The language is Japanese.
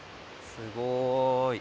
すごーい。